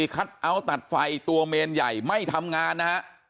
คัทเอาท์ตัดไฟตัวเมนใหญ่ไม่ทำงานนะฮะ